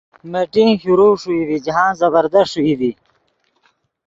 میٹنگ ݰوئی ڤی جاہند زبردست ݰوئی ڤی۔